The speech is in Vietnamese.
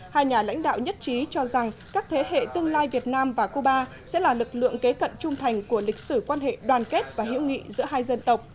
hai nhà lãnh đạo nhất trí cho rằng các thế hệ tương lai việt nam và cuba sẽ là lực lượng kế cận trung thành của lịch sử quan hệ đoàn kết và hiểu nghị giữa hai dân tộc